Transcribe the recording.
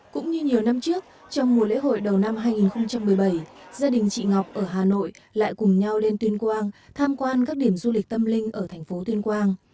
cũng như nhiều năm trước trong mùa lễ hội đầu năm hai nghìn một mươi bảy gia đình chị ngọc ở hà nội lại cùng nhau lên tuyên quang tham quan các điểm du lịch tâm linh ở thành phố tuyên quang